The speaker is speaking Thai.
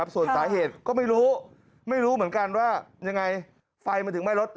ส่วนตาเหตุก็ไม่รู้เหมือนกันว่าไฟไม่ถึงไหม้รถ